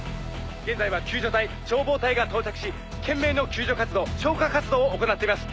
「現在は救助隊消防隊が到着し懸命の救助活動消火活動を行っています」